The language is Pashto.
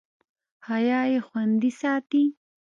حیا یې خوندي ساتي.